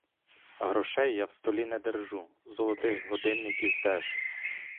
Грошей я в столі не держу, золотих годинників теж.